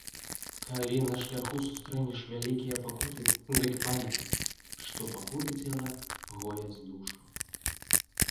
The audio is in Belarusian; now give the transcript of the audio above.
Калі на шляху сустрэнеш вялікія пакуты, дык памятай, што пакуты цела гояць душу.